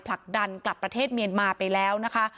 ผลักดันกลับประเทศเมียนมาไปแล้วนะคะ